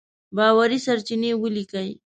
باوري سرچينې وليکئ!.